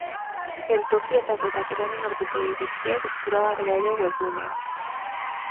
Geltokietako eta trenen ordutegi guztiak eskuragarri daude webgunean.